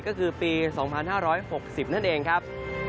ก็คือปี๒๕๖๐นั่นเองครับ